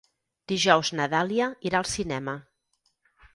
Dijous na Dàlia irà al cinema.